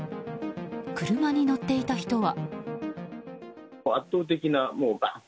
車に乗っていた人は。